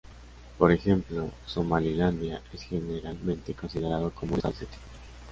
Por ejemplo, Somalilandia es generalmente considerado como un Estado de este tipo.